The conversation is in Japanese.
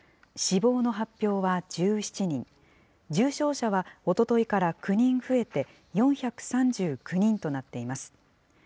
死亡の発表は１７人、重症者はおとといから９人増えて４３９人となっています。